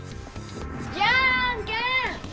じゃあんけんッ！